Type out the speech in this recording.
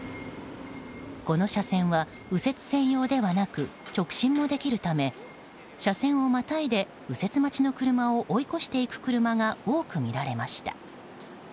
この車線は右折専用ではなく直進もできるため車線をまたいで右折待ちの車を追い越していく車が多く見られました。